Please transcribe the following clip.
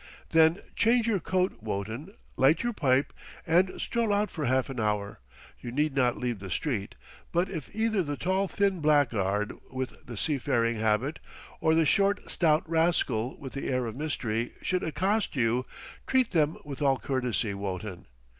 "Then change your coat, Wotton, light your pipe, and stroll out for half an hour. You need not leave the street, but if either the tall thin blackguard with the seafaring habit, or the short stout rascal with the air of mystery should accost you, treat them with all courtesy, Wotton.